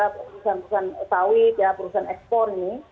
pusat pusat sawit perusahaan ekspor ini